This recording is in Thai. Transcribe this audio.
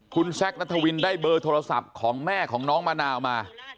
คุณแซคนัทวินได้เบอร์โทรศัพท์ของแม่ของน้องมะนาวมา